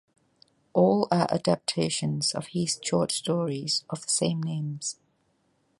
All are adaptations of his short stories of the same names.